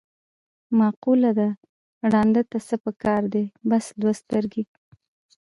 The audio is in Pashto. مقوله ده: ړانده ته څه په کار دي، بس دوه سترګې.